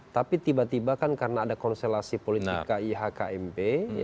tapi tiba tiba kan karena ada konselasi politik ihkmb